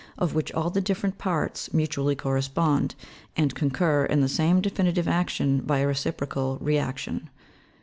tern, of which all the different parts mutually correspond, and concur in the same definitive action by a reciprocal re action.